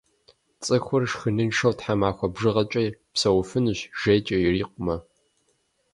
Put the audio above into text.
Цӏыхур шхыныншэу тхьэмахуэ бжыгъэкӏэ псэуфынущ, жейкӏэ ирикъумэ.